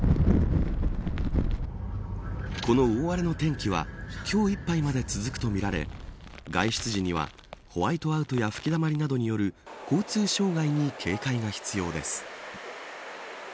この大荒れの天気は今日いっぱいまで続くとみられ外出時にはホワイトアウトや吹きだまりなどによる交通障害に警戒が必要です。